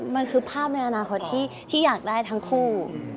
มันคือภาพในอนาคตที่อยากได้ทั้งคู่